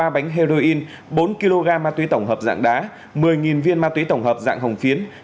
ba bánh heroin bốn kg ma túy tổng hợp dạng đá một mươi viên ma túy tổng hợp dạng hồng phiến